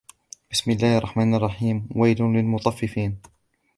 بسم الله الرحمن الرحيم ويل للمطففين